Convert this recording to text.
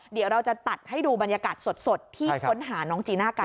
เดี๋ยวเราจะตัดให้ดูบรรยากาศสดที่ค้นหาน้องจีน่ากัน